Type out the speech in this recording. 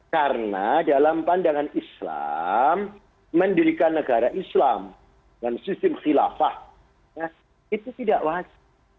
karena dalam pandangan islam mendirikan negara islam dengan sistem khilafah itu tidak wajib